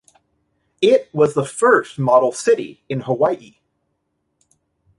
It was the first model city in Hawaii.